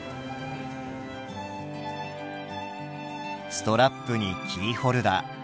ストラップにキーホルダー。